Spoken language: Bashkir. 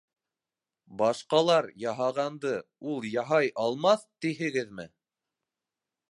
Башҡалар яһағанды ул яһай алмаҫ, тиһегеҙме?